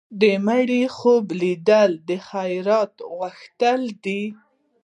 د مړي خوب لیدل د خیرات غوښتنه ده.